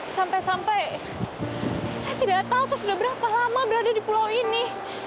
sampai sampai saya tidak tahu saya sudah berapa lama berada di pulau ini